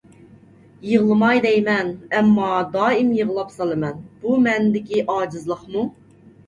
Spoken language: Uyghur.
يىغلىماي دەيمەن، ئەمما دائىم يىغلاپ سالىمەن. بۇ مەندىكى ئاجىزلىقمۇ؟